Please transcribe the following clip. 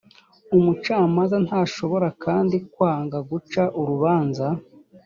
umucamanza ntashobora kandi kwanga guca urubanza